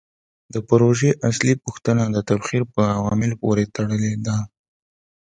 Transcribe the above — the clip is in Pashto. د پروژې اصلي پوښتنه د تبخیر په عواملو پورې تړلې ده.